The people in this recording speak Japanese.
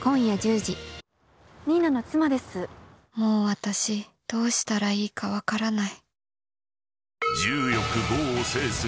もう私、どうしたらいいか分からない。